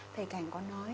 thầy cảnh có nói